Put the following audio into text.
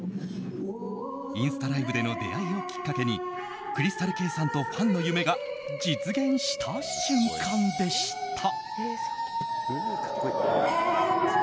インスタライブでの出会いをきっかけにＣｒｙｓｔａｌＫａｙさんとファンの夢が実現した瞬間でした。